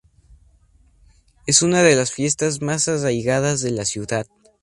Es una de las fiestas más arraigadas de la ciudad.